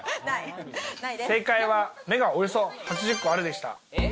正解は、目がおよそ８０個あるでした。